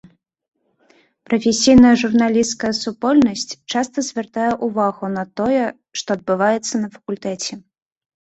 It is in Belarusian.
Прафесійная журналісцкая супольнасць часта звяртае ўвагу на тое, што адбываецца на факультэце.